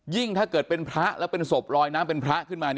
ถ้าเกิดเป็นพระแล้วเป็นศพลอยน้ำเป็นพระขึ้นมา